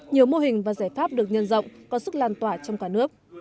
nhiều mô hình và giải pháp được nhân rộng có sức lan tỏa trong cả nước